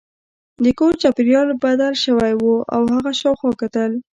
د کور چاپیریال بدل شوی و او هغه شاوخوا کتل